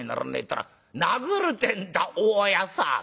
ったら『殴る』ってんだ大家さん